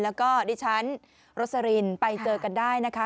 แล้วก็ดิฉันโรสลินไปเจอกันได้นะคะ